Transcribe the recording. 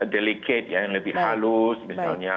delicate ya yang lebih halus misalnya